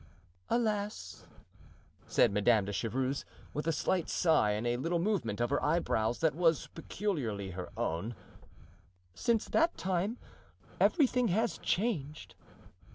"Alas!" said Madame de Chevreuse, with a slight sigh and a little movement of her eyebrows that was peculiarly her own, "since that time everything has changed."